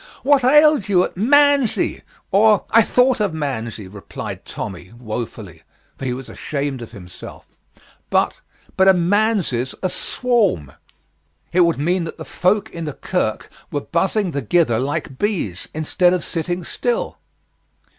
What ailed you at manzy, or " "I thought of manzy," replied Tommy, woefully, for he was ashamed of himself, "but but a manzy's a swarm. It would mean that the folk in the kirk were buzzing thegither like bees, instead of sitting still."